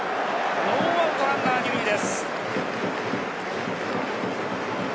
ノーアウトランナー二塁です。